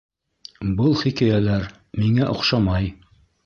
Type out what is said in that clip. Был хикәйәләр миңә оҡшамай